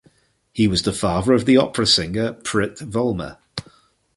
He was the father of the opera singer Priit Volmer.